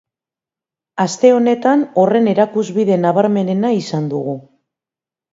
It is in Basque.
Aste honetan horren erakusbide nabarmenena izan dugu.